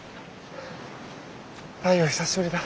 太陽久しぶりだ。